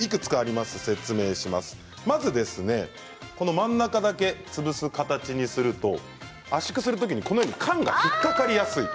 まず真ん中だけ潰す形にすると圧縮するときに缶が引っ掛かりやすい。